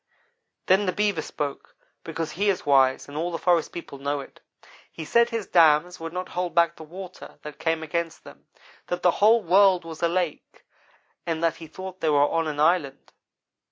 Then the Beaver spoke, because he is wise and all the forest people know it. He said his dams would not hold back the water that came against them; that the whole world was a lake, and that he thought they were on an island.